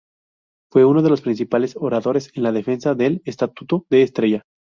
Fue uno de los principales oradores en defensa del Estatuto de Estella.